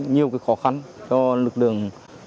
nhiều khó khăn cho lực lượng